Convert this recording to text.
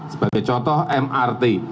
sebagai contoh mrt